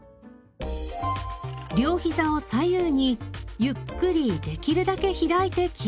両ひざを左右にゆっくりできるだけ開いてキープ。